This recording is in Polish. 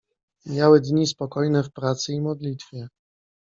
Mijały dni spokojnie w pracy i modlitwie.